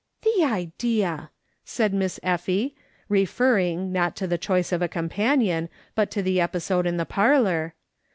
" The idea !" said Miss Effie, referring, not to the choice of a companiou, but to the episode in the parlour.